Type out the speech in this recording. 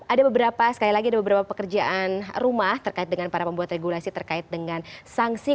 ada beberapa sekali lagi ada beberapa pekerjaan rumah terkait dengan para pembuat regulasi terkait dengan sanksi